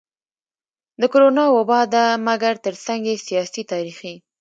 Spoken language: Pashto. د کرونا وبا ده مګر ترڅنګ يې سياسي, تاريخي,